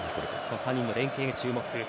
３人の連携に注目。